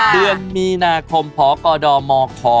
เดือนมีนาคมพกดมค